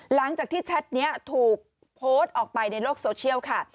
หลังจากที่แชทนี้ถูกโพสต์ออกไปในโลกโซเชียลค่ะ